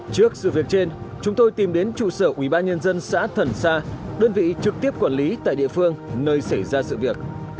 trước sự việc trên chúng tôi tìm đến trụ sở ubnd xã thần sa đơn vị trực tiếp quản lý tại địa phương nơi xảy ra sự việc